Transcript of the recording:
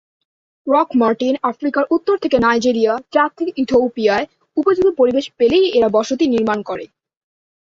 Rock martin আফ্রিকার উত্তর থেকে নাইজেরিয়া, চাদ থেকে ইথিওপিয়ায় উপযোগী পরিবেশ পেলেই এরা বসতি নির্মাণ করে।